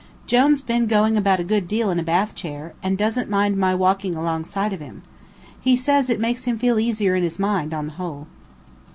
Jone's been going about a good deal in a bath chair, and doesn't mind my walking alongside of him. He says it makes him feel easier in his mind, on the whole.